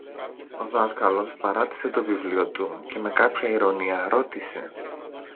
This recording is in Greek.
Ο δάσκαλος παράτησε το βιβλίο του και με κάποια ειρωνεία ρώτησε